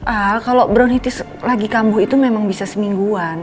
al kalo brown hitties lagi kambuh itu memang bisa semingguan